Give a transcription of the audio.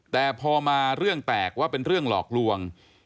แต่พอมาเรื่องแตกว่าเป็นเรื่องหลอกลวง